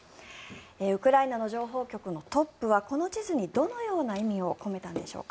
ウクライナの情報局のトップはこの地図にどのような意味を込めたんでしょうか。